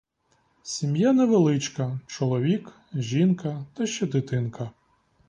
Сім'я невеличка: чоловік, жінка та ще дитинка.